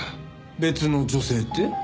別の女性って？